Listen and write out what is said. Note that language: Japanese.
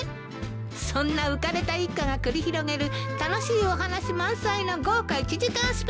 そんな浮かれた一家が繰り広げる楽しいお話満載の豪華１時間スペシャル。